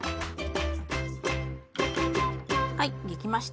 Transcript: はい出来ました。